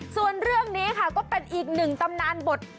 ส่วนเรื่องนี้ค่ะก็เป็นอีกหนึ่งตำนานบท